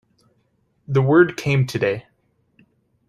The word came today.